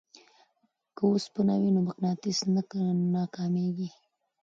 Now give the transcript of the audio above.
که اوسپنه وي نو مقناطیس نه ناکامیږي.